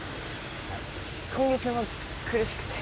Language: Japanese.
今月も苦しくて。